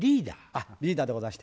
あっリーダーでございました。